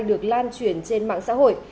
được lan truyền trên mạng xã hội